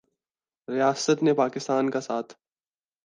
ریاست نے پاکستان کا ساتھ